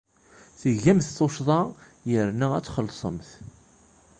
Tgamt tuccḍa yerna ad tt-txellṣemt.